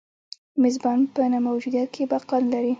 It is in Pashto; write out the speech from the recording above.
د میزبان په نه موجودیت کې بقا نه لري.